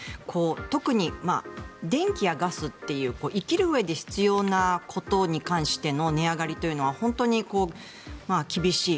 特に電気やガスっていう生きるうえで必要なことに関しての値上がりというのは本当に厳しい。